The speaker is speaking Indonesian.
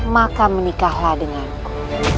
maka menikahlah denganku